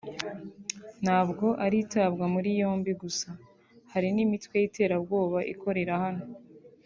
ntabwo ari itabwa muri yombi gusa hari n’imitwe y’iterabwoba ikorera hano